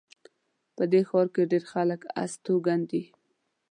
په دې ښار کې ډېر خلک استوګن دي